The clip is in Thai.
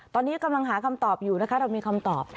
ตอนนี้กำลังหาคำตอบอยู่นะคะเรามีคำตอบ